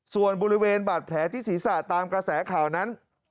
ส่วนบริเวณบาดแผลที่ศีรษะตามกระแสข่าวนั้น